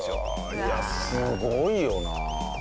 いやすごいよなあ。